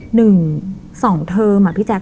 หนึ่งสองเทอมอ่ะพี่แจ๊